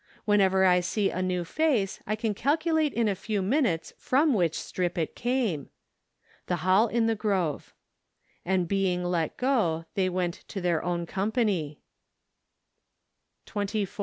Whenever I see a new face I can calculate in a few minutes from which strip it came. The Hall in the Grove. "And being let < 70 , they went to their own com¬ pany ." 24.